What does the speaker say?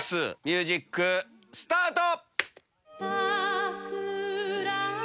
ミュージックスタート！